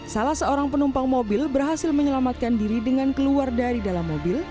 salah seorang penumpang mobil berhasil menyelamatkan diri dengan keluar dari dalam mobil